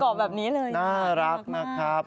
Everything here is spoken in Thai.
กอดแบบนี้เลยนะครับน่ารักมาก